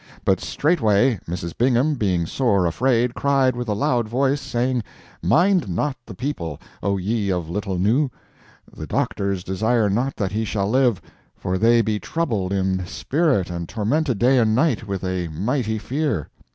But straightway Mrs. Bingham, being sore afraid, cried with a loud voice, saying: Mind not the people, O ye of little nous! the doctors desire not that he shall live, for they be troubled in spirit and tormented day and night with a mighty fear.